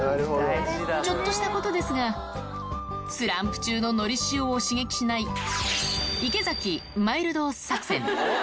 ちょっとしたことですが、スランプ中ののりしおを刺激しない、池崎マイルド作戦。